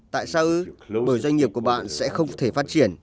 tại sao ứ bởi doanh nghiệp của bạn sẽ không thể phát triển